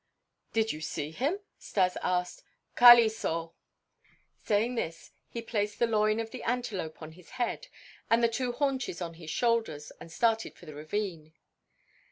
"Did you see him?" Stas asked. "Kali saw." Saying this, he placed the loin of the antelope on his head and the two haunches on his shoulders and started for the ravine.